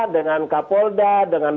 dengan kapolda dengan